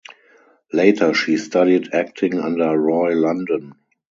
Later, she studied acting under Roy London.